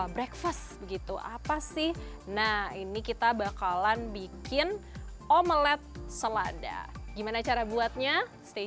breakfast begitu apa sih nah ini kita bakalan bikin omelette selada gimana cara buatnya stay